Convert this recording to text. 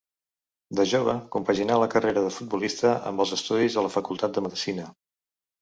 De jove compaginà la carrera de futbolista amb els estudis a la facultat de Medicina.